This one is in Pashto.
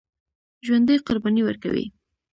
ژوندي قرباني ورکوي